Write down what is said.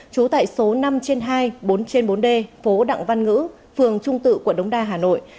trú tại số năm trên hai bốn trên bốn d phố đặng văn ngữ phường trung tự quận đống đa hà nội